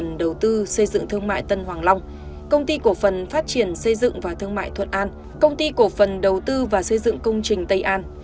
công ty đầu tư xây dựng thương mại tân hoàng long công ty cổ phần phát triển xây dựng và thương mại thuận an công ty cổ phần đầu tư và xây dựng công trình tây an